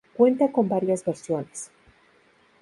Cuenta con varias versiones.